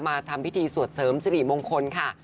ทำพิธีสวดเสริมสิริมงคลค่ะ